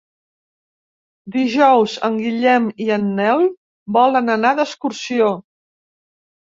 Dijous en Guillem i en Nel volen anar d'excursió.